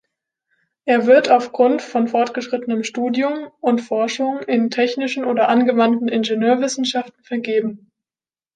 Er wird aufgrund von fortgeschrittenem Studium und Forschung in technischen oder angewandten Ingenieurwissenschaften vergeben.